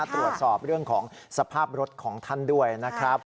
ตรวจสอบเรื่องของสภาพรถของท่านด้วยนะครับ